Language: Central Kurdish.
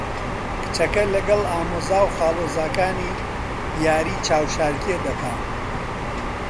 کچەکە لەگەڵ ئامۆزا و خاڵۆزاکانی یاریی چاوشارکێ دەکا.